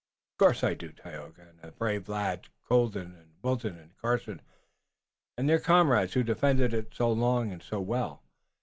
"Of course I do, Tayoga! And the brave lads, Colden and Wilton and Carson and their comrades who defended it so long and so well.